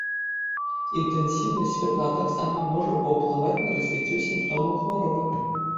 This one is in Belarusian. Інтэнсіўнасць святла таксама можа паўплываць на развіццё сімптомаў хваробы.